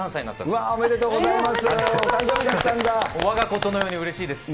うわー、おめでとうございます。